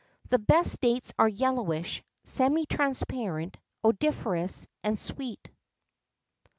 The best dates are yellowish, semi transparent, odoriferous, and sweet.